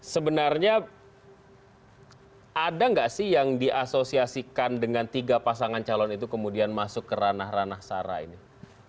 sebenarnya ada enggak sih yang di asosiasikan dengan tiga pasangan calon itu kemudian masuk ke ranah ranah sarah ini